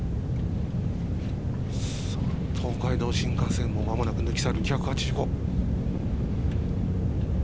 東海道新幹線をまもなく抜き去る２８５。